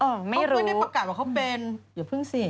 ไม่ได้ประกาศว่าเขาเป็นอย่าเพิ่งเสพ